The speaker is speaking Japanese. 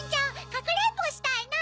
かくれんぼしたいな！